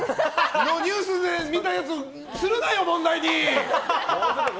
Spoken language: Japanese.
昨日ニュースで見たやつするなよ、問題に！